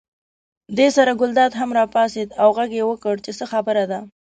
دې سره ګلداد هم راپاڅېد او غږ یې وکړ چې څه خبره ده.